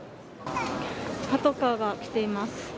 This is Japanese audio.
パトカーが来ています。